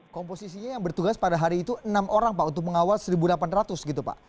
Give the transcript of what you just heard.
komposisinya yang bertugas pada hari itu enam orang pak untuk mengawal satu delapan ratus gitu pak